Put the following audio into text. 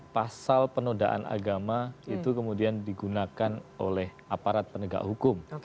pasal penodaan agama itu kemudian digunakan oleh aparat penegak hukum